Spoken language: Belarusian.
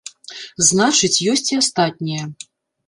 Значыць, ёсць і астатнія.